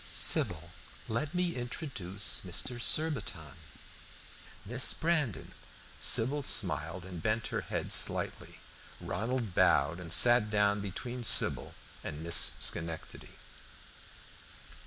"Sybil, let me introduce Mr. Surbiton Miss Brandon." Sybil smiled and bent her head slightly. Ronald bowed and sat down between Sybil and Miss Schenectady.